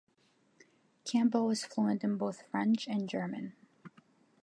Campbell was fluent in both French and German.